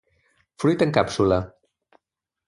Fruit en càpsula.